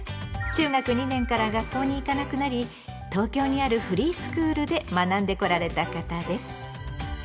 中学２年から学校に行かなくなり東京にあるフリースクールで学んでこられた方です。